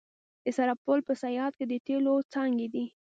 د سرپل په صیاد کې د تیلو څاګانې دي.